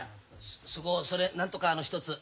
そこそれなんとかひとつ。